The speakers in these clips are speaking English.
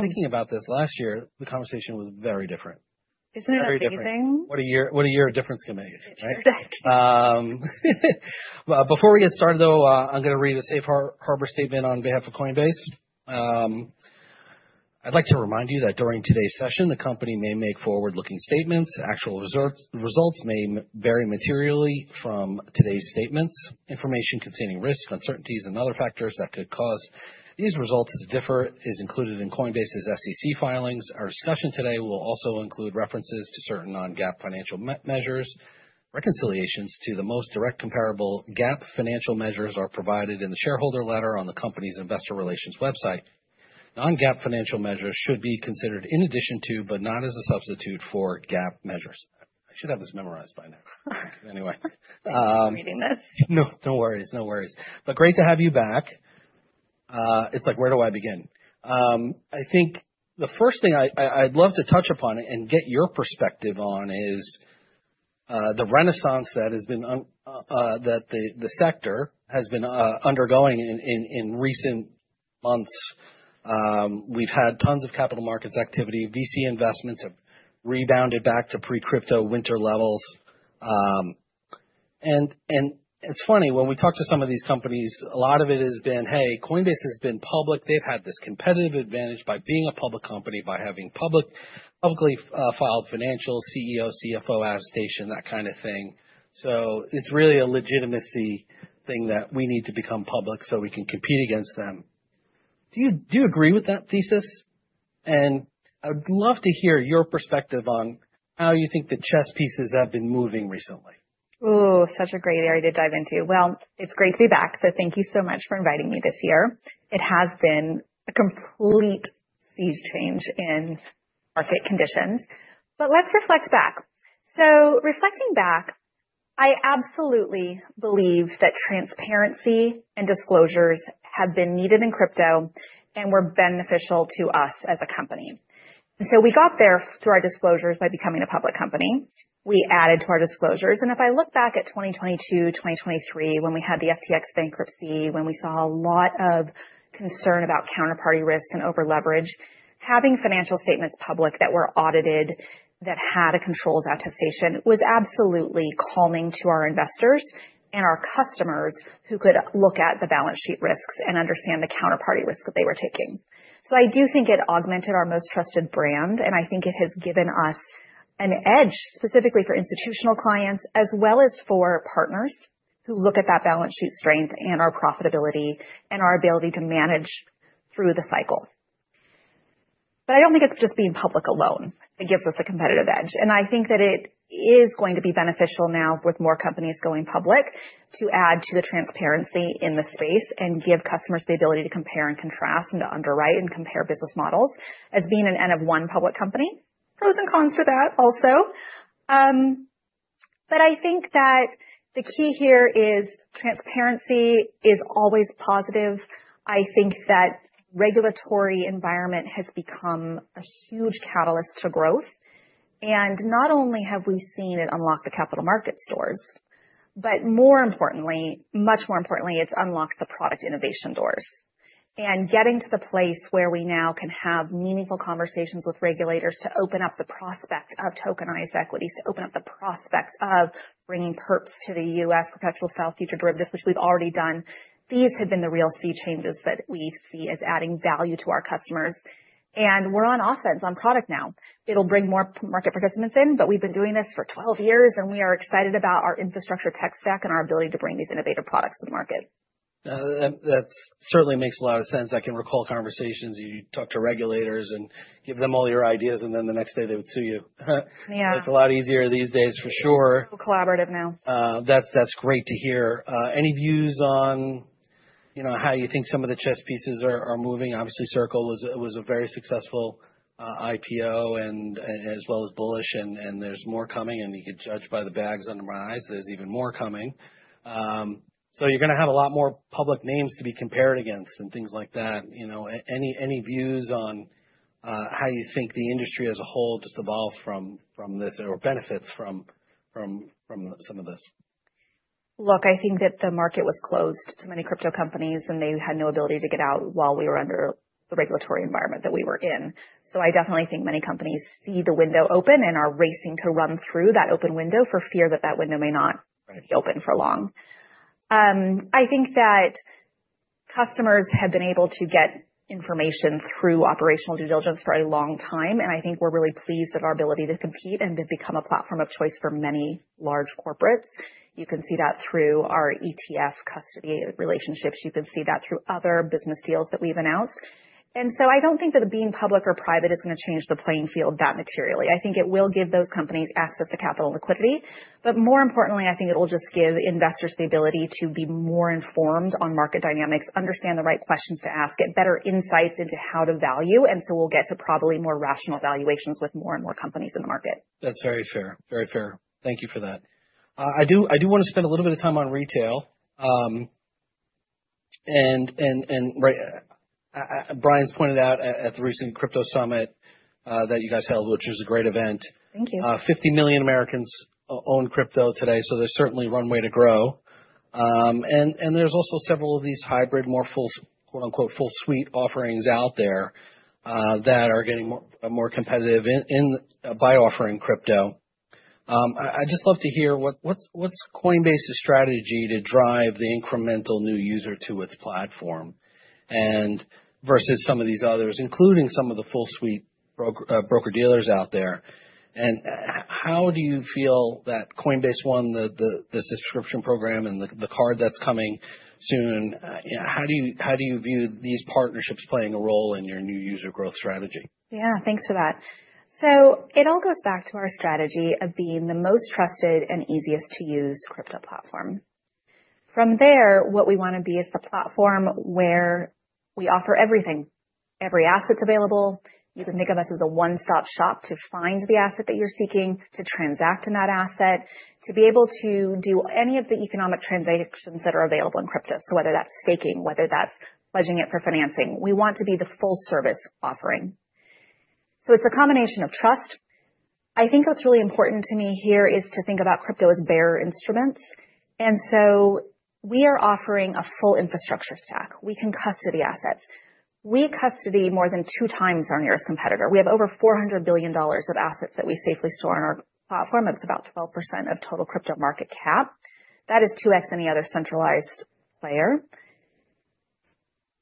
... Speaking about this, last year, the conversation was very different. Isn't it amazing? Very different. What a year, what a year of difference can make, right? Exactly. Before we get started, though, I'm gonna read a safe harbor statement on behalf of Coinbase. I'd like to remind you that during today's session, the company may make forward-looking statements. Actual results may vary materially from today's statements. Information concerning risks, uncertainties, and other factors that could cause these results to differ is included in Coinbase's SEC filings. Our discussion today will also include references to certain non-GAAP financial measures. Reconciliations to the most direct comparable GAAP financial measures are provided in the shareholder letter on the company's investor relations website. Non-GAAP financial measures should be considered in addition to, but not as a substitute for, GAAP measures. I should have this memorized by now. Anyway. Thanks for reading this. No, no worries, no worries. But great to have you back. It's like, where do I begin? I think the first thing I'd love to touch upon and get your perspective on is the renaissance that the sector has been undergoing in recent months. We've had tons of capital markets activity. VC investments have rebounded back to pre-crypto winter levels. And it's funny, when we talk to some of these companies, a lot of it has been: Hey, Coinbase has been public. They've had this competitive advantage by being a public company, by having publicly filed financials, CEO, CFO attestation, that kind of thing. So it's really a legitimacy thing that we need to become public so we can compete against them. Do you agree with that thesis? I would love to hear your perspective on how you think the chess pieces have been moving recently? Ooh, such a great area to dive into. Well, it's great to be back, so thank you so much for inviting me this year. It has been a complete sea change in market conditions. But let's reflect back. So reflecting back, I absolutely believe that transparency and disclosures have been needed in crypto and were beneficial to us as a company. So we got there through our disclosures by becoming a public company. We added to our disclosures, and if I look back at 2022, 2023, when we had the FTX bankruptcy, when we saw a lot of concern about counterparty risks and over-leverage, having financial statements public that were audited, that had a controls attestation, was absolutely calming to our investors and our customers, who could look at the balance sheet risks and understand the counterparty risk that they were taking. So I do think it augmented our most trusted brand, and I think it has given us an edge, specifically for institutional clients, as well as for partners who look at that balance sheet strength and our profitability and our ability to manage through the cycle. But I don't think it's just being public alone that gives us a competitive edge, and I think that it is going to be beneficial now, with more companies going public, to add to the transparency in the space and give customers the ability to compare and contrast and to underwrite and compare business models. As being an N of one public company, pros and cons to that also. But I think that the key here is transparency is always positive. I think that regulatory environment has become a huge catalyst to growth, and not only have we seen it unlock the capital markets doors, but more importantly, much more importantly, it's unlocked the product innovation doors. Getting to the place where we now can have meaningful conversations with regulators to open up the prospect of tokenized equities, to open up the prospect of bringing perps to the U.S., perpetual futures derivatives, which we've already done, these have been the real sea changes that we see as adding value to our customers. We're on offense on product now. It'll bring more market participants in, but we've been doing this for 12 years, and we are excited about our infrastructure tech stack and our ability to bring these innovative products to the market. That certainly makes a lot of sense. I can recall conversations, you talk to regulators and give them all your ideas, and then the next day, they would sue you. Yeah. It's a lot easier these days, for sure. Collaborative now. That's, that's great to hear. Any views on, you know, how you think some of the chess pieces are moving? Obviously, Circle was a very successful IPO and as well as Bullish, and there's more coming, and you can judge by the bags under my eyes there's even more coming. So you're gonna have a lot more public names to be compared against and things like that. You know, any views on how you think the industry as a whole just evolves from this or benefits from some of this? Look, I think that the market was closed to many crypto companies, and they had no ability to get out while we were under the regulatory environment that we were in. So I definitely think many companies see the window open and are racing to run through that open window for fear that that window may not be open for long. I think that customers have been able to get information through operational due diligence for a long time, and I think we're really pleased with our ability to compete and to become a platform of choice for many large corporates. You can see that through our ETF custody relationships. You can see that through other business deals that we've announced. And so I don't think that being public or private is gonna change the playing field that materially. I think it will give those companies access to capital liquidity, but more importantly, I think it will just give investors the ability to be more informed on market dynamics, understand the right questions to ask, get better insights into how to value, and so we'll get to probably more rational valuations with more and more companies in the market. That's very fair. Very fair. Thank you for that. I do, I do wanna spend a little bit of time on retail, and Brian's pointed out at the recent crypto summit that you guys held, which was a great event. Thank you. 50 million Americans own crypto today, so there's certainly runway to grow. And there's also several of these hybrid, more full, quote-unquote, "full suite offerings" out there that are getting more competitive by offering crypto. I'd just love to hear what Coinbase's strategy to drive the incremental new user to its platform? And versus some of these others, including some of the full suite broker-dealers out there. And how do you feel that Coinbase One, the subscription program and the card that's coming soon, how do you view these partnerships playing a role in your new user growth strategy? Yeah, thanks for that. So it all goes back to our strategy of being the most trusted and easiest-to-use crypto platform. From there, what we wanna be is the platform where we offer everything, every asset available. You can think of us as a one-stop shop to find the asset that you're seeking, to transact in that asset, to be able to do any of the economic transactions that are available in crypto. So whether that's staking, whether that's pledging it for financing, we want to be the full-service offering. So it's a combination of trust. I think what's really important to me here is to think about crypto as bearer instruments, and so we are offering a full infrastructure stack. We can custody assets. We custody more than two times our nearest competitor. We have over $400 billion of assets that we safely store on our platform. That's about 12% of total crypto market cap. That is 2X any other centralized player.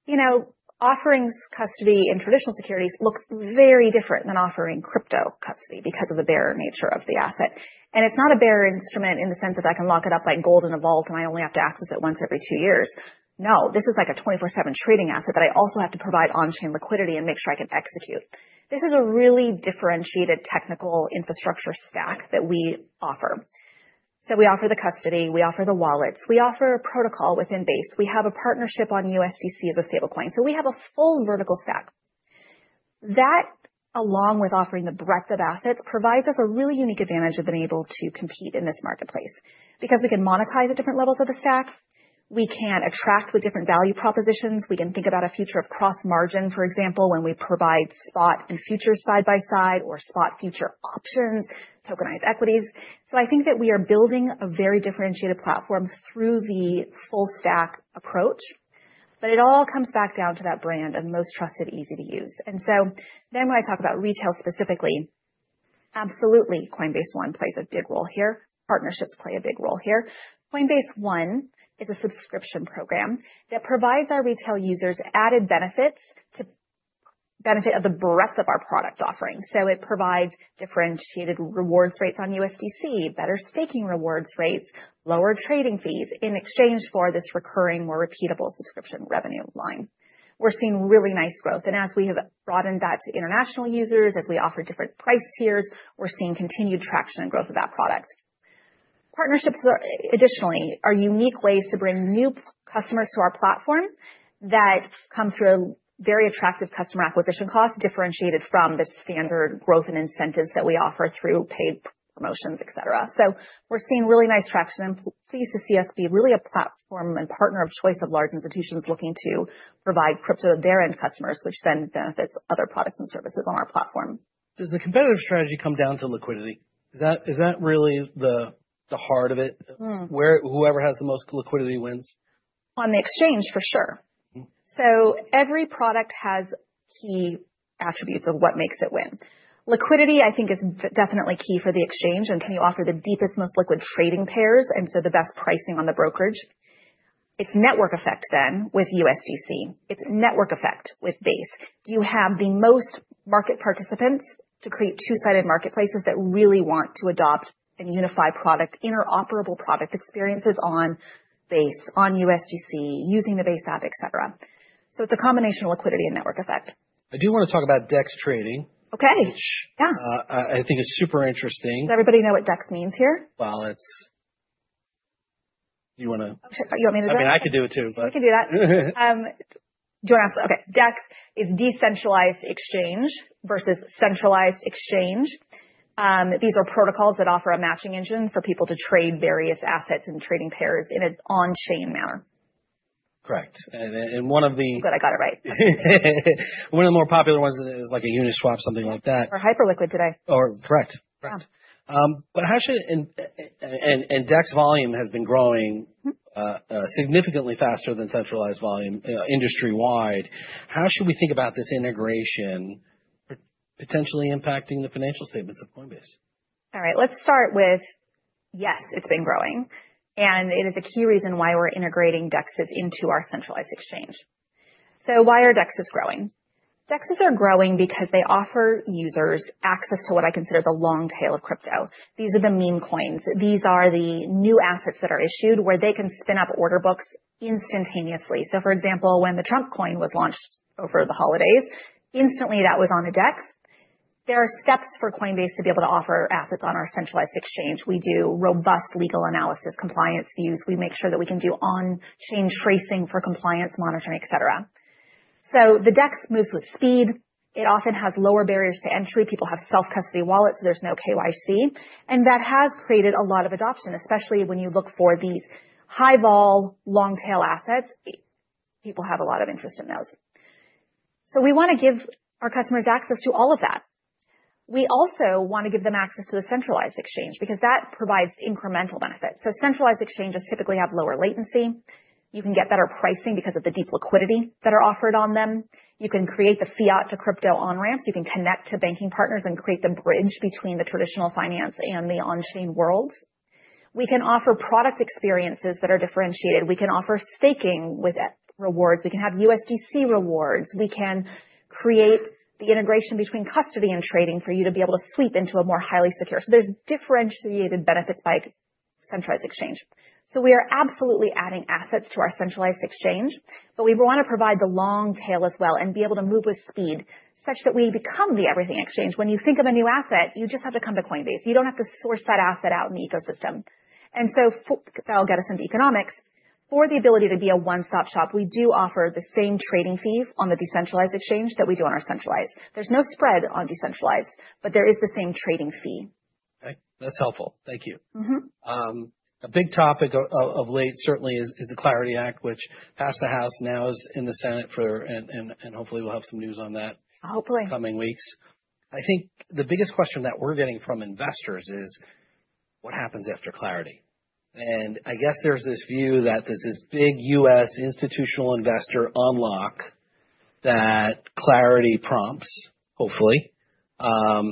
You know, offerings custody in traditional securities looks very different than offering crypto custody because of the bearer nature of the asset. And it's not a bearer instrument in the sense that I can lock it up like gold in a vault, and I only have to access it once every two years. No, this is like a 24/7 trading asset that I also have to provide on-chain liquidity and make sure I can execute. This is a really differentiated technical infrastructure stack that we offer. So we offer the custody, we offer the wallets, we offer a protocol within Base. We have a partnership on USDC as a stablecoin. So we have a full vertical stack. That, along with offering the breadth of assets, provides us a really unique advantage of being able to compete in this marketplace. Because we can monetize at different levels of the stack, we can attract with different value propositions. We can think about a future of cross margin, for example, when we provide spot and future side by side or spot future options, tokenized equities. So I think that we are building a very differentiated platform through the full stack approach, but it all comes back down to that brand and most trusted, easy to use. And so then when I talk about retail specifically, absolutely, Coinbase One plays a big role here. Partnerships play a big role here. Coinbase One is a subscription program that provides our retail users added benefits to benefit of the breadth of our product offerings. It provides differentiated rewards rates on USDC, better staking rewards rates, lower trading fees in exchange for this recurring, more repeatable subscription revenue line. We're seeing really nice growth, and as we have broadened that to international users, as we offer different price tiers, we're seeing continued traction and growth of that product. Partnerships are, additionally, unique ways to bring new customers to our platform that come through a very attractive customer acquisition cost, differentiated from the standard growth and incentives that we offer through paid promotions, et cetera. We're seeing really nice traction, and pleased to see us be really a platform and partner of choice of large institutions looking to provide crypto to their end customers, which then benefits other products and services on our platform. Does the competitive strategy come down to liquidity? Is that really the heart of it? Hmm. Where whoever has the most liquidity wins? On the exchange, for sure. Mm. So every product has key attributes of what makes it win. Liquidity, I think, is definitely key for the exchange, and can you offer the deepest, most liquid trading pairs, and so the best pricing on the brokerage. It's network effect then with USDC. It's network effect with Base. Do you have the most market participants to create two-sided marketplaces that really want to adopt and unify product, interoperable product experiences on Base, on USDC, using the Base app, et cetera? So it's a combination of liquidity and network effect. I do wanna talk about DEX trading. Okay. Which- Yeah. I think is super interesting. Does everybody know what DEX means here? It's... Do you wanna- You want me to do it? I mean, I can do it, too, but. You can do that. Okay, DEX is decentralized exchange versus centralized exchange. These are protocols that offer a matching engine for people to trade various assets and trading pairs in an on-chain manner. Correct. I'm glad I got it right. One of the more popular ones is, like, Uniswap, something like that. We're hyper liquid today. Or... Correct. Yeah. But how should... and DEX volume has been growing- Mm... significantly faster than centralized volume, industry-wide. How should we think about this integration potentially impacting the financial statements of Coinbase? All right, let's start with, yes, it's been growing, and it is a key reason why we're integrating DEXs into our centralized exchange. So why are DEXs growing? DEXs are growing because they offer users access to what I consider the long tail of crypto. These are the meme coins. These are the new assets that are issued, where they can spin up order books instantaneously. So, for example, when the Trump Coin was launched over the holidays, instantly that was on the DEX. There are steps for Coinbase to be able to offer assets on our centralized exchange. We do robust legal analysis, compliance views. We make sure that we can do on-chain tracing for compliance monitoring, et cetera. So the DEX moves with speed. It often has lower barriers to entry. People have self-custody wallets, so there's no KYC, and that has created a lot of adoption, especially when you look for these high-vol, long-tail assets. People have a lot of interest in those. So we wanna give our customers access to all of that. We also want to give them access to the centralized exchange, because that provides incremental benefits. So centralized exchanges typically have lower latency. You can get better pricing because of the deep liquidity that are offered on them. You can create the fiat-to-crypto on-ramps. You can connect to banking partners and create the bridge between the traditional finance and the on-chain worlds. We can offer product experiences that are differentiated. We can offer staking with rewards. We can have USDC rewards. We can create the integration between custody and trading for you to be able to sweep into a more highly secure. So there's differentiated benefits by centralized exchange. We are absolutely adding assets to our centralized exchange, but we want to provide the long tail as well and be able to move with speed such that we become the everything exchange. When you think of a new asset, you just have to come to Coinbase. You don't have to source that asset out in the ecosystem. And so that'll get us into economics. For the ability to be a one-stop shop, we do offer the same trading fees on the decentralized exchange that we do on our centralized. There's no spread on decentralized, but there is the same trading fee. Okay, that's helpful. Thank you. Mm-hmm. A big topic of late certainly is the Clarity Act, which passed the House, now is in the Senate for... And hopefully we'll have some news on that- Hopefully. Coming weeks. I think the biggest question that we're getting from investors is: What happens after Clarity? And I guess there's this view that there's this big U.S. institutional investor unlock that Clarity prompts, hopefully. I'd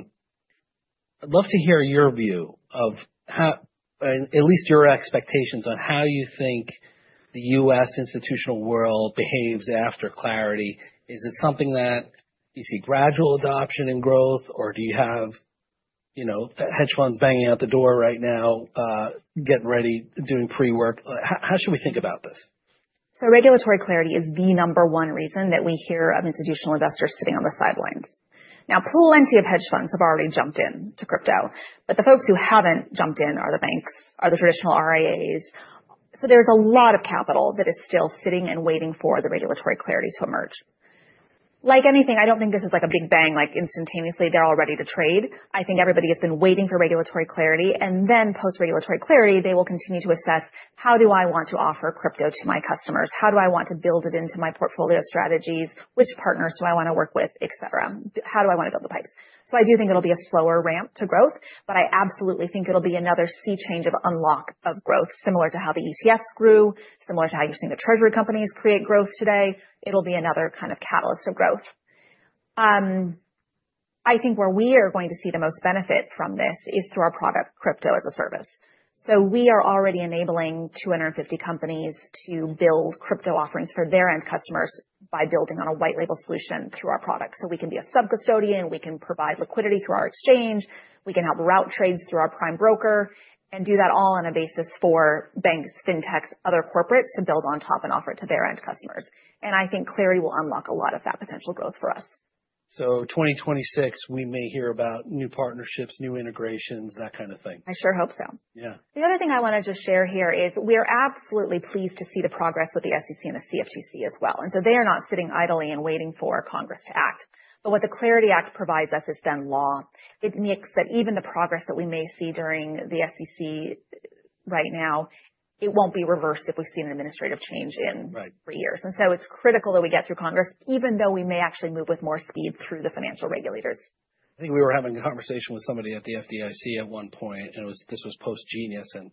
love to hear your view of how and at least your expectations on how you think the U.S. institutional world behaves after Clarity. Is it something that you see gradual adoption and growth, or do you have, you know, hedge funds banging out the door right now, getting ready, doing pre-work? How should we think about this? Regulatory clarity is the number one reason that we hear of institutional investors sitting on the sidelines. Now, plenty of hedge funds have already jumped into crypto, but the folks who haven't jumped in are the banks, are the traditional RIAs. So there's a lot of capital that is still sitting and waiting for the regulatory clarity to emerge. Like anything, I don't think this is, like, a big bang, like, instantaneously they're all ready to trade. I think everybody has been waiting for regulatory clarity, and then post-regulatory clarity, they will continue to assess: How do I want to offer crypto to my customers? How do I want to build it into my portfolio strategies? Which partners do I want to work with? Et cetera. How do I want to build the pipes? So I do think it'll be a slower ramp to growth, but I absolutely think it'll be another sea change of unlock of growth, similar to how the ETFs grew, similar to how you've seen the treasury companies create growth today. It'll be another kind of catalyst of growth. I think where we are going to see the most benefit from this is through our product, Crypto as a Service. So we are already enabling 250 companies to build crypto offerings for their end customers by building on a white label solution through our products. So we can be a sub-custodian, we can provide liquidity through our exchange, we can help route trades through our prime broker and do that all on a basis for banks, fintechs, other corporates, to build on top and offer it to their end customers. I think Clarity will unlock a lot of that potential growth for us. So twenty twenty-six, we may hear about new partnerships, new integrations, that kind of thing? I sure hope so. Yeah. The other thing I want to just share here is we are absolutely pleased to see the progress with the SEC and the CFTC as well. And so they are not sitting idly and waiting for Congress to act. But what the Clarity Act provides us is then law. It makes that even the progress that we may see during the SEC right now, it won't be reversed if we see an administrative change in- Right. three years, and so it's critical that we get through Congress, even though we may actually move with more speed through the financial regulators. I think we were having a conversation with somebody at the FDIC at one point, and it was, this was post Gensler, and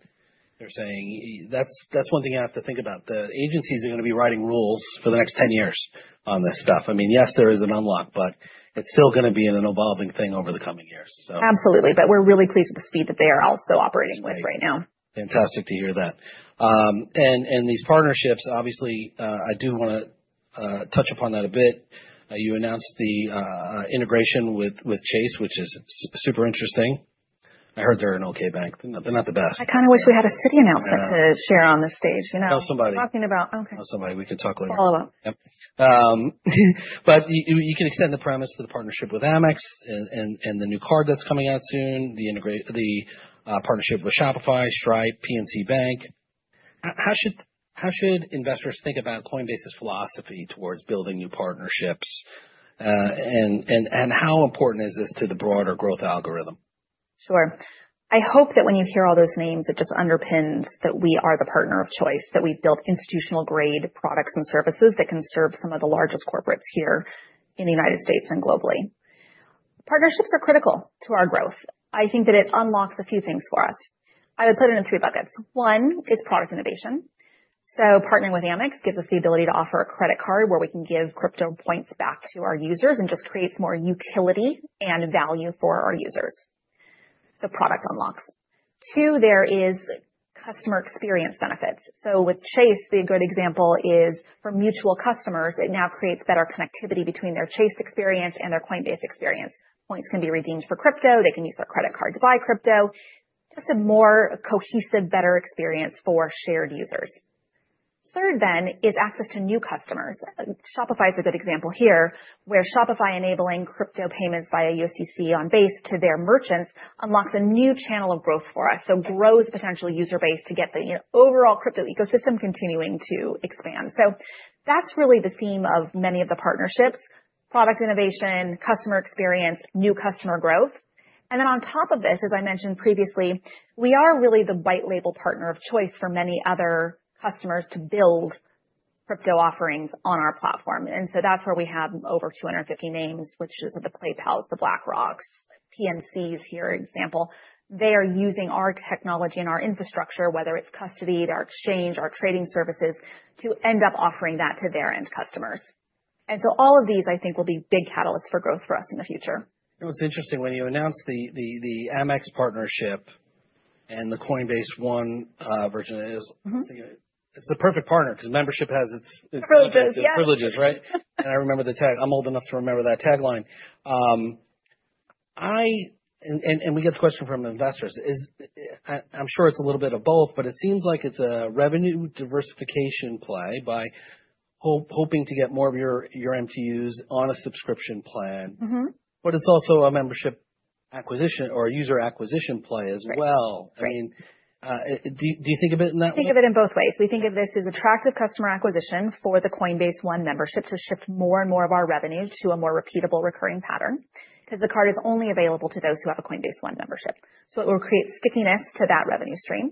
they're saying, "That's, that's one thing I have to think about. The agencies are going to be writing rules for the next ten years on this stuff. I mean, yes, there is an unlock, but it's still gonna be an evolving thing over the coming years." So- Absolutely, but we're really pleased with the speed that they are also operating with right now. Fantastic to hear that. And these partnerships, obviously, I do wanna touch upon that a bit. You announced the integration with Chase, which is super interesting. I heard they're an okay bank. They're not the best. I kind of wish we had a Citi announcement- I know. -to share on this stage, you know? Tell somebody. Okay. Tell somebody. We can talk later. Follow up. Yep. But you can extend the premise to the partnership with Amex and the new card that's coming out soon, the partnership with Shopify, Stripe, PNC Bank. How should investors think about Coinbase's philosophy towards building new partnerships? And how important is this to the broader growth algorithm? Sure. I hope that when you hear all those names, it just underpins that we are the partner of choice, that we've built institutional-grade products and services that can serve some of the largest corporates here in the United States and globally. Partnerships are critical to our growth. I think that it unlocks a few things for us. I would put it in three buckets. One is product innovation. So partnering with Amex gives us the ability to offer a credit card where we can give crypto points back to our users, and just creates more utility and value for our users. So product unlocks. Two, there is customer experience benefits. So with Chase, a good example is, for mutual customers, it now creates better connectivity between their Chase experience and their Coinbase experience. Points can be redeemed for crypto. They can use their credit card to buy crypto. Just a more cohesive, better experience for shared users. Third, then, is access to new customers. Shopify is a good example here, where Shopify enabling crypto payments via USDC on Base to their merchants unlocks a new channel of growth for us, so grows potential user base to get the, you know, overall crypto ecosystem continuing to expand. So that's really the theme of many of the partnerships: product innovation, customer experience, new customer growth. And then on top of this, as I mentioned previously, we are really the white label partner of choice for many other customers to build crypto offerings on our platform. And so that's where we have over 250 names, which is the PayPal, the BlackRock, PNCs, here, example. They are using our technology and our infrastructure, whether it's custody, our exchange, our trading services, to end up offering that to their end customers, and so all of these, I think, will be big catalysts for growth for us in the future. You know, it's interesting, when you announce the Amex partnership and the Coinbase One version is- Mm-hmm. It's a perfect partner because membership has its- Privileges, yeah. Its privileges, right? And I remember the tag. I'm old enough to remember that tagline. And we get the question from investors, is, I'm sure it's a little bit of both, but it seems like it's a revenue diversification play by hoping to get more of your MTUs on a subscription plan. Mm-hmm. But it's also a membership acquisition or a user acquisition play as well. Right. I mean, do you think of it in that- Think of it in both ways. We think of this as attractive customer acquisition for the Coinbase One membership to shift more and more of our revenue to a more repeatable recurring pattern. 'Cause the card is only available to those who have a Coinbase One membership. So it will create stickiness to that revenue stream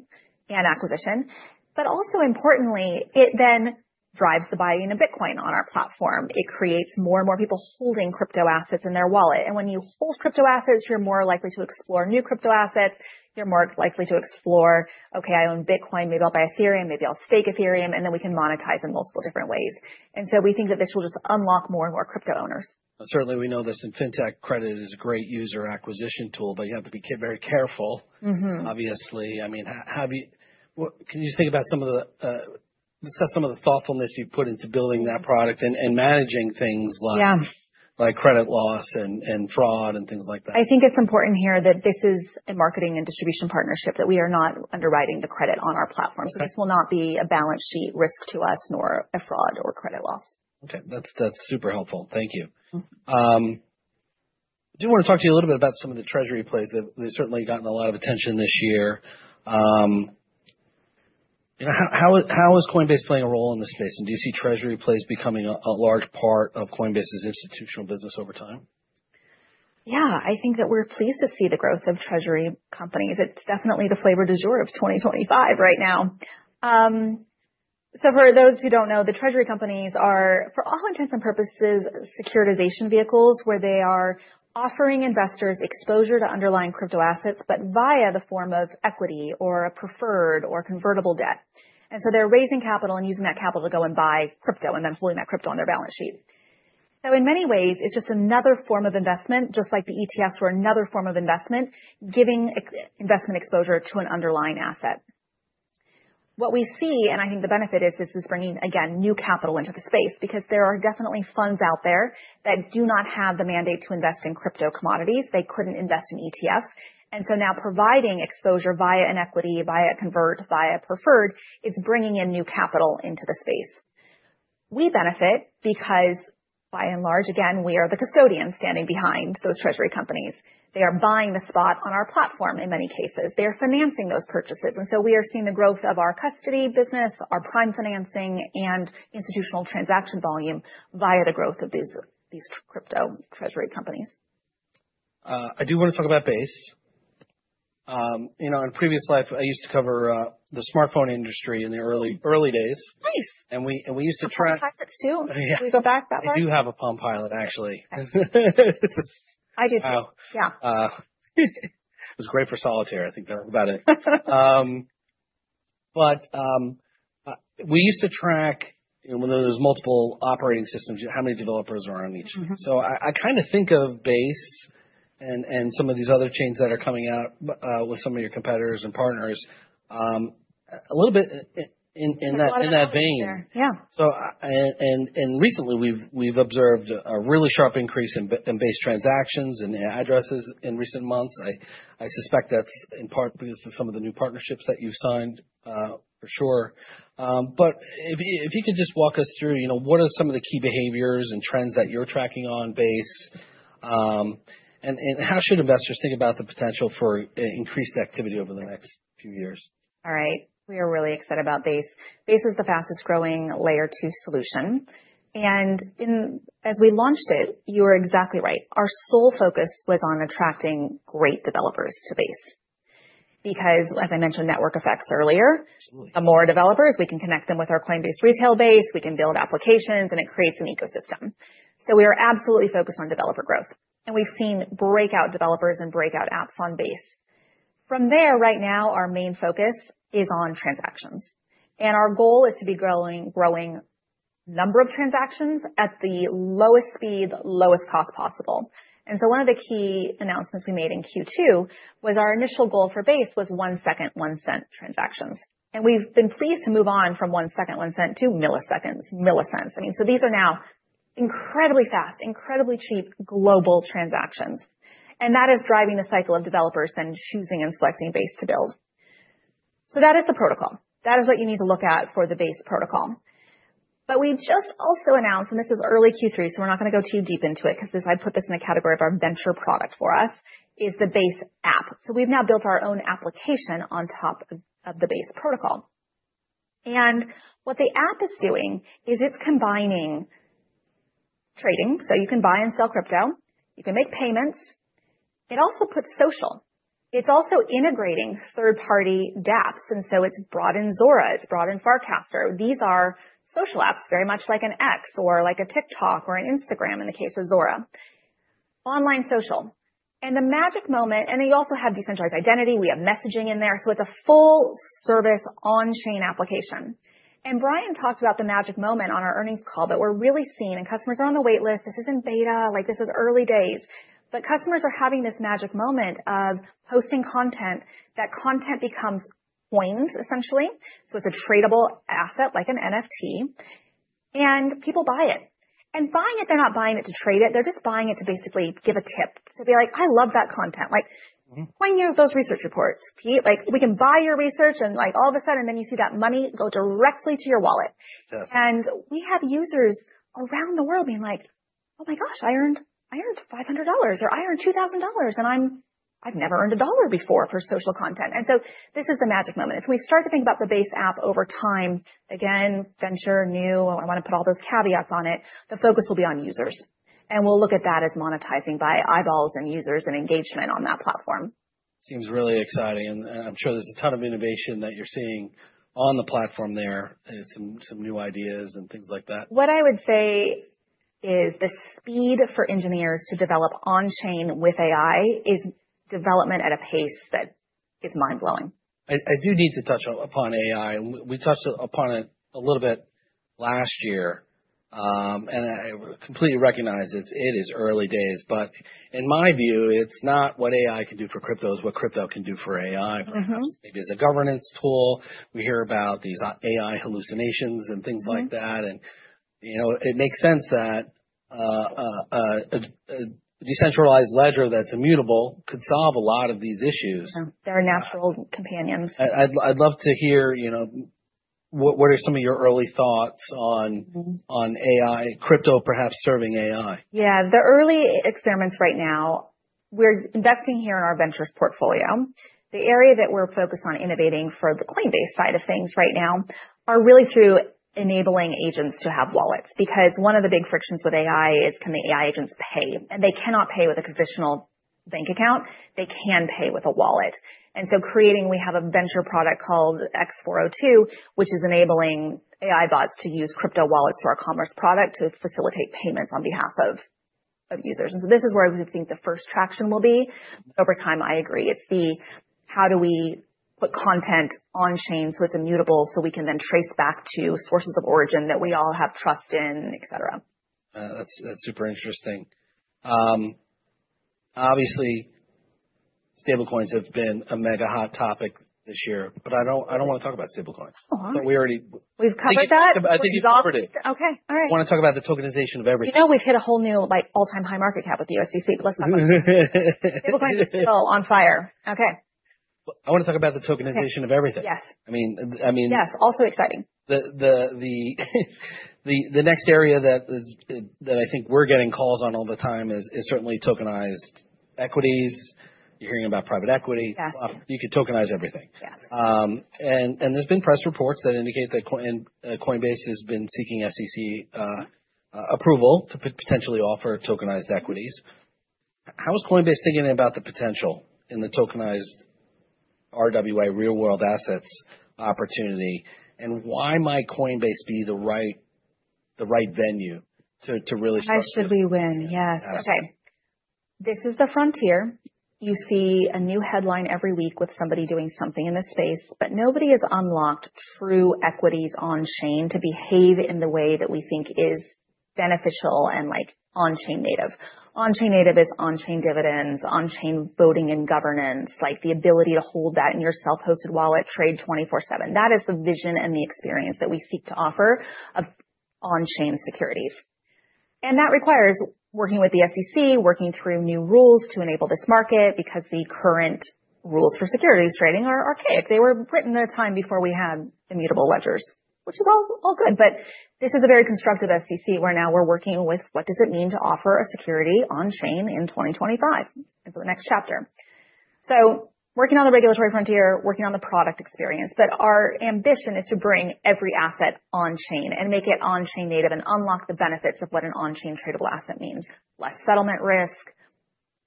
and acquisition, but also importantly, it then drives the buying of Bitcoin on our platform. It creates more and more people holding crypto assets in their wallet. And when you hold crypto assets, you're more likely to explore new crypto assets, you're more likely to explore, okay, I own Bitcoin, maybe I'll buy Ethereum, maybe I'll stake Ethereum, and then we can monetize in multiple different ways. And so we think that this will just unlock more and more crypto owners. Certainly, we know this in fintech, credit is a great user acquisition tool, but you have to be very careful. Mm-hmm. Obviously, I mean, can you just discuss some of the thoughtfulness you've put into building that product and managing things like- Yeah... like credit loss and fraud and things like that? I think it's important here that this is a marketing and distribution partnership, that we are not underwriting the credit on our platform. Okay. This will not be a balance sheet risk to us, nor a fraud or credit loss. Okay. That's, that's super helpful. Thank you. Mm-hmm. I do want to talk to you a little bit about some of the treasury plays. They've certainly gotten a lot of attention this year. How is Coinbase playing a role in this space? And do you see treasury plays becoming a large part of Coinbase's institutional business over time? Yeah. I think that we're pleased to see the growth of treasury companies. It's definitely the flavor du jour of twenty twenty-five right now. So for those who don't know, the treasury companies are, for all intents and purposes, securitization vehicles where they are offering investors exposure to underlying crypto assets, but via the form of equity or a preferred or convertible debt. And so they're raising capital and using that capital to go and buy crypto and then holding that crypto on their balance sheet. So in many ways, it's just another form of investment, just like the ETFs were another form of investment, giving ex- investment exposure to an underlying asset. What we see, and I think the benefit is, this is bringing, again, new capital into the space, because there are definitely funds out there that do not have the mandate to invest in crypto commodities. They couldn't invest in ETFs, and so now providing exposure via an equity, via a convert, via preferred, is bringing in new capital into the space. We benefit because, by and large, again, we are the custodian standing behind those treasury companies. They are buying the spot on our platform in many cases. They are financing those purchases, and so we are seeing the growth of our custody business, our prime financing, and institutional transaction volume via the growth of these crypto treasury companies. I do want to talk about Base. You know, in a previous life, I used to cover the smartphone industry in the early days. Nice! We used to track- PalmPilots, too. Yeah. We go back that far. I do have a PalmPilot, actually. I do, too. Wow. Yeah. It was great for Solitaire. I think that was about it, but we used to track, you know, when there was multiple operating systems, how many developers were on each. Mm-hmm. I kinda think of Base and some of these other chains that are coming out with some of your competitors and partners, a little bit in that vein. Yeah. So, recently, we've observed a really sharp increase in Base transactions and addresses in recent months. I suspect that's in part because of some of the new partnerships that you've signed, for sure. But if you could just walk us through, you know, what are some of the key behaviors and trends that you're tracking on Base? And how should investors think about the potential for increased activity over the next few years? All right. We are really excited about Base. Base is the fastest growing Layer 2 solution, and as we launched it, you are exactly right. Our sole focus was on attracting great developers to Base because, as I mentioned, network effects earlier. Absolutely. The more developers we can connect them with our Coinbase retail base, we can build applications, and it creates an ecosystem, so we are absolutely focused on developer growth, and we've seen breakout developers and breakout apps on Base. From there, right now, our main focus is on transactions, and our goal is to be growing, growing number of transactions at the lowest speed, lowest cost possible, and so one of the key announcements we made in Q2 was our initial goal for Base was one second, one cent transactions, and we've been pleased to move on from one second, one cent to milliseconds, millicents. I mean, so these are now incredibly fast, incredibly cheap, global transactions, and that is driving the cycle of developers then choosing and selecting Base to build, so that is the protocol. That is what you need to look at for the Base protocol. But we just also announced, and this is early Q3, so we're not gonna go too deep into it 'cause as I put this in the category of our venture product for us, is the Base app. So we've now built our own application on top of the Base protocol. And what the app is doing is it's combining trading, so you can buy and sell crypto. You can make payments. It also puts social. It's also integrating third-party dApps, and so it's brought in Zora, it's brought in Farcaster. These are social apps, very much like an X or like a TikTok or an Instagram, in the case of Zora. Online social. And the magic moment, and we also have decentralized identity. We have messaging in there, so it's a full-service, on-chain application. Brian talked about the magic moment on our earnings call that we're really seeing, and customers are on the wait list. This is in beta. Like, this is early days, but customers are having this magic moment of posting content. That content becomes coins, essentially, so it's a tradable asset, like an NFT, and people buy it. And buying it, they're not buying it to trade it, they're just buying it to basically give a tip, to be like, "I love that content." Like, "Coin you those research reports, Pete. Like, we can buy your research," and like all of a sudden, then you see that money go directly to your wallet. Yes. We have users around the world being like, "Oh, my gosh, I earned $500, or I earned $2,000, and I'm, I've never earned $1 before for social content." So this is the magic moment. As we start to think about the Base app over time, again, venture, new, I want to put all those caveats on it, the focus will be on users, and we'll look at that as monetizing by eyeballs and users and engagement on that platform. Seems really exciting, and I'm sure there's a ton of innovation that you're seeing on the platform there, and some new ideas and things like that. What I would say is the speed for engineers to develop on-chain with AI is development at a pace that is mind-blowing. I do need to touch upon AI. We touched upon it a little bit last year, and I completely recognize it is early days, but in my view, it's not what AI can do for cryptos, what crypto can do for AI. Mm-hmm. Perhaps maybe as a governance tool. We hear about these, AI hallucinations and things like that. Mm-hmm. You know, it makes sense that a decentralized ledger that's immutable could solve a lot of these issues. Yeah. They're natural companions. I'd love to hear, you know, what are some of your early thoughts on- Mm-hmm. On AI, crypto, perhaps serving AI? Yeah. The early experiments right now, we're investing here in our ventures portfolio. The area that we're focused on innovating for the Coinbase side of things right now are really through enabling agents to have wallets. Because one of the big frictions with AI is, can the AI agents pay? And they cannot pay with a traditional bank account. They can pay with a wallet. And so creating. We have a venture product called X402, which is enabling AI bots to use crypto wallets for our commerce product to facilitate payments on behalf of users. And so this is where we think the first traction will be. Over time, I agree, it's the how do we put content on chain so it's immutable, so we can then trace back to sources of origin that we all have trust in, et cetera. That's super interesting. Obviously, stablecoins have been a mega hot topic this year, but I don't want to talk about stablecoins. Uh-huh. But we already- We've covered that? I think you covered it. Okay. All right. I want to talk about the tokenization of everything. You know, we've hit a whole new, like, all-time high market cap with the USDC, but let's not. Stable coins are still on fire. Okay. I want to talk about the tokenization of everything. Yes. I mean- Yes, also exciting. The next area that I think we're getting calls on all the time is certainly tokenized equities. You're hearing about private equity. Yes. You could tokenize everything. Yes. There's been press reports that indicate that Coinbase has been seeking SEC approval to potentially offer tokenized equities. How is Coinbase thinking about the potential in the tokenized RWA, real-world assets opportunity, and why might Coinbase be the right venue to really start this? How should we win? Yes. Okay. This is the frontier. You see a new headline every week with somebody doing something in this space, but nobody has unlocked true equities on-chain to behave in the way that we think is beneficial and, like, on-chain native. On-chain native is on-chain dividends, on-chain voting and governance, like the ability to hold that in your self-hosted wallet, trade twenty-four seven. That is the vision and the experience that we seek to offer of on-chain securities. And that requires working with the SEC, working through new rules to enable this market, because the current rules for securities trading are archaic. They were written in a time before we had immutable ledgers, which is all good, but this is a very constructive SEC, where now we're working with what does it mean to offer a security on-chain in twenty twenty-fiv and for the next chapter. So working on the regulatory frontier, working on the product experience, but our ambition is to bring every asset on-chain and make it on-chain native and unlock the benefits of what an on-chain tradable asset means: less settlement risk,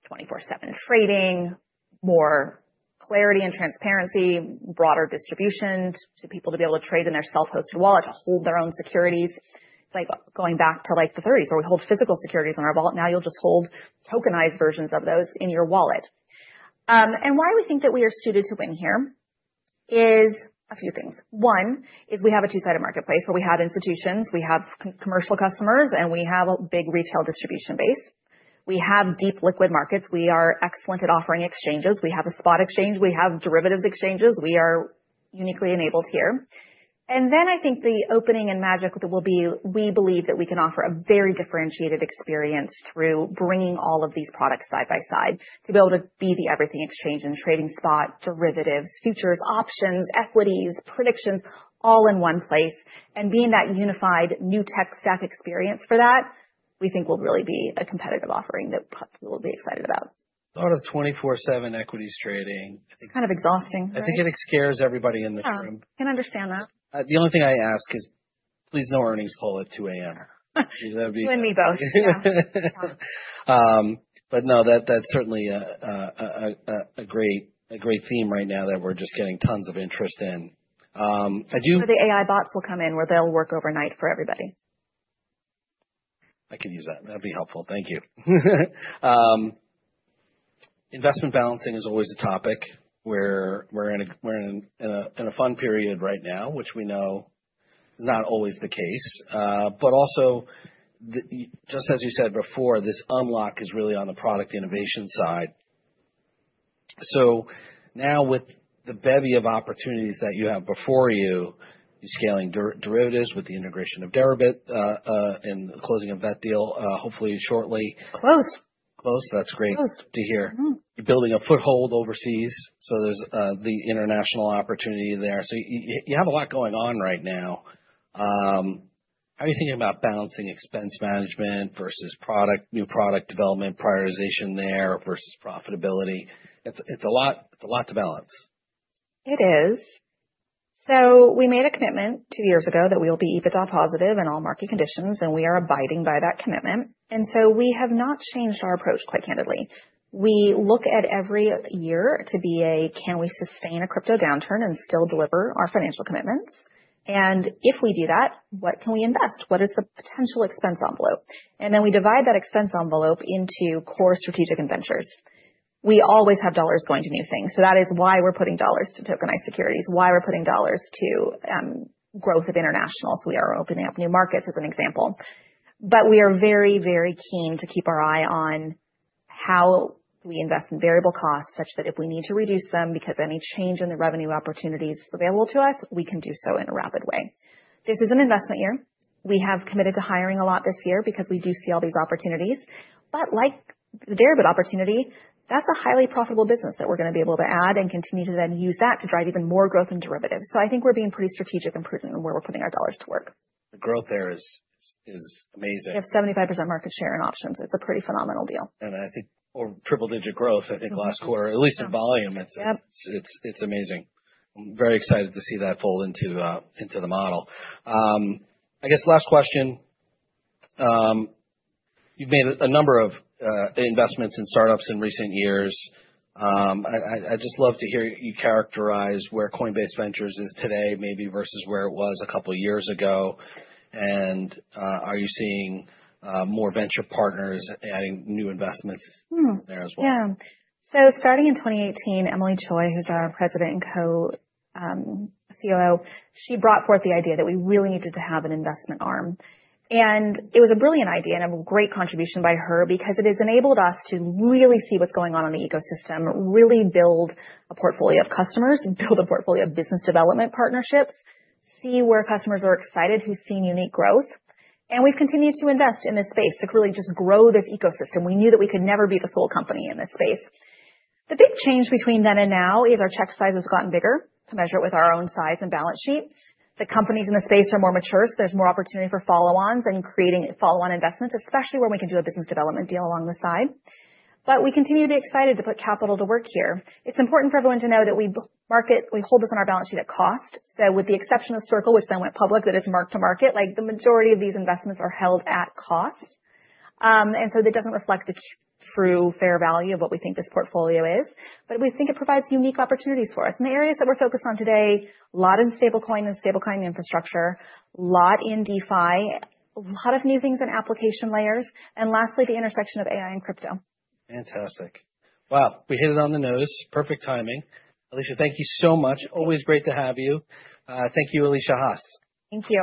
twenty-four seven trading, more clarity and transparency, broader distribution to people to be able to trade in their self-hosted wallet, to hold their own securities. It's like going back to, like, the thirties, where we hold physical securities in our wallet. Now you'll just hold tokenized versions of those in your wallet, and why we think that we are suited to win here is a few things. One, is we have a two-sided marketplace, where we have institutions, we have commercial customers, and we have a big retail distribution base. We have deep liquid markets. We are excellent at offering exchanges. We have a spot exchange. We have derivatives exchanges. We are uniquely enabled here. And then I think the opening and magic will be, we believe that we can offer a very differentiated experience through bringing all of these products side by side, to be able to be the everything exchange and trading spot, derivatives, futures, options, equities, predictions, all in one place. And being that unified new tech stack experience for that, we think will really be a competitive offering that people will be excited about.... thought of twenty-four seven equities trading. It's kind of exhausting, right? I think it scares everybody in this room. Can understand that. The only thing I ask is, please, no earnings call at 2:00 A.M. Gee, that'd be- You and me both. Yeah. But no, that's certainly a great theme right now that we're just getting tons of interest in. I do- So the AI bots will come in, where they'll work overnight for everybody. I can use that. That'd be helpful. Thank you. Investment balancing is always a topic where we're in a fun period right now, which we know is not always the case. But also, just as you said before, this unlock is really on the product innovation side. So now with the bevy of opportunities that you have before you, you're scaling derivatives with the integration of Deribit and the closing of that deal, hopefully shortly. Close. Close? That's great- Close. To hear. Mm-hmm. You're building a foothold overseas, so there's the international opportunity there. So you have a lot going on right now. How are you thinking about balancing expense management versus product, new product development, prioritization there versus profitability? It's a lot to balance. It is, so we made a commitment two years ago that we will be EBITDA positive in all market conditions, and we are abiding by that commitment, and so we have not changed our approach, quite candidly. We look at every year to be a, "Can we sustain a crypto downturn and still deliver our financial commitments? And if we do that, what can we invest? What is the potential expense envelope?" Then we divide that expense envelope into core strategic ventures. We always have dollars going to new things, so that is why we're putting dollars to tokenized securities, why we're putting dollars to growth of international. We are opening up new markets, as an example. We are very, very keen to keep our eye on how we invest in variable costs, such that if we need to reduce them, because any change in the revenue opportunities available to us, we can do so in a rapid way. This is an investment year. We have committed to hiring a lot this year because we do see all these opportunities, but like the Deribit opportunity, that's a highly profitable business that we're gonna be able to add and continue to then use that to drive even more growth in derivatives. I think we're being pretty strategic and prudent in where we're putting our dollars to work. The growth there is amazing. We have 75% market share in options. It's a pretty phenomenal deal. I think or triple-digit growth. I think last quarter, at least in volume. Yep. It's amazing. I'm very excited to see that fold into the model. I guess last question, you've made a number of investments in startups in recent years. I'd just love to hear you characterize where Coinbase Ventures is today, maybe versus where it was a couple years ago. And are you seeing more venture partners adding new investments- Hmm. there as well? Yeah. So starting in 2018, Emilie Choi, who's our President and COO, she brought forth the idea that we really needed to have an investment arm. And it was a brilliant idea and a great contribution by her because it has enabled us to really see what's going on in the ecosystem, really build a portfolio of customers, build a portfolio of business development partnerships, see where customers are excited, who's seeing unique growth. And we've continued to invest in this space to really just grow this ecosystem. We knew that we could never be the sole company in this space. The big change between then and now is our check size has gotten bigger, to measure it with our own size and balance sheet. The companies in the space are more mature, so there's more opportunity for follow-ons and creating follow-on investments, especially where we can do a business development deal along the side. We continue to be excited to put capital to work here. It's important for everyone to know that we hold this on our balance sheet at cost. So with the exception of Circle, which then went public, that is mark to market, like, the majority of these investments are held at cost. And so that doesn't reflect the true fair value of what we think this portfolio is, but we think it provides unique opportunities for us. The areas that we're focused on today, a lot in stablecoin and stablecoin infrastructure, a lot in DeFi, a lot of new things in application layers, and lastly, the intersection of AI and crypto. Fantastic. Well, we hit it on the nose. Perfect timing. Alesia, thank you so much. Always great to have you. Thank you, Alesia Haas. Thank you.